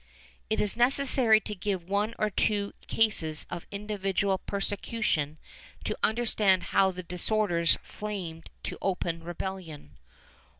It is necessary to give one or two cases of individual persecution to understand how the disorders flamed to open rebellion.